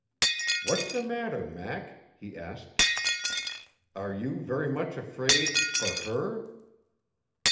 "What's the matter, Mac?" he asked. "Are you very much afraid for her?"